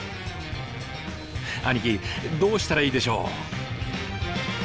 兄貴どうしたらいいでしょう。